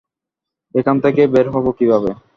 এখান থেকে বের হব কীভাবে?